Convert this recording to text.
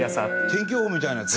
天気予報みたいなやつ？